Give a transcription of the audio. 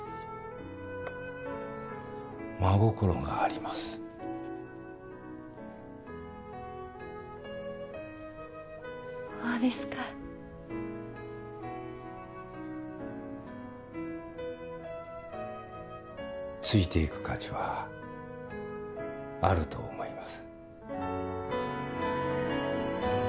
真心がありますほうですかついてゆく価値はあると思います